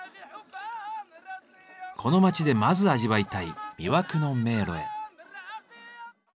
この町でまず味わいたい「魅惑の迷路」へ。